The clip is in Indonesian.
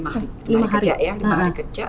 lima hari kejap ya lima hari kejap